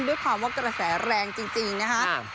ด้วยความว่ากระแสแรงจริงนะครับ